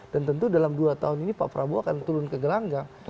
dan tentu dalam dua tahun ini pak prabowo akan turun ke gelanggang